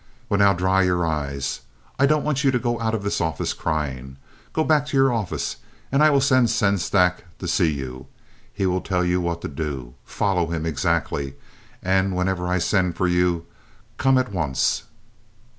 "Well, now, dry your eyes. I don't want you to go out of this office crying. Go back to your office, and I will send Sengstack to see you. He will tell you what to do. Follow him exactly. And whenever I send for you come at once."